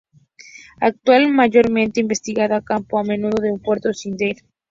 Actúa mayormente investigando a campo, a menudo en el Puerto de Sídney.